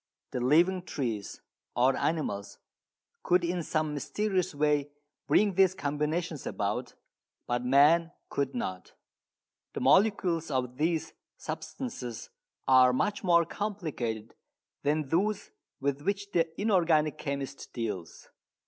The living trees, or animals, could in some mysterious way bring these combinations about, but man could not. The molecules of these substances are much more complicated than those with which the inorganic chemist deals.